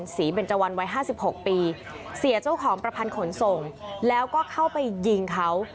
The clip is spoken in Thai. เบนเจวันวัย๕๖ปีเสียเจ้าของประพันธ์ขนส่งแล้วก็เข้าไปยิงเขา